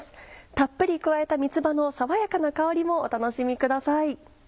たっぷり加えた三つ葉の爽やかな香りもお楽しみください。